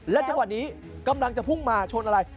และเวลาตอนนี้กำลังจะพุ่งมาชนอะไร